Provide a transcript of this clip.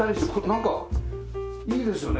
なんかいいですよね